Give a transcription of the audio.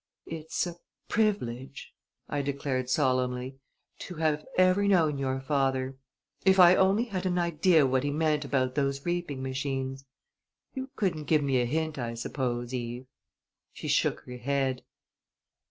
"It's a privilege," I declared solemnly, "to have ever known your father! If I only had an idea what he meant about those reaping machines! You couldn't give me a hint, I suppose, Eve?" She shook her head.